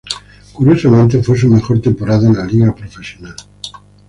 Curiosamente fue su mejor temporada en la liga profesional.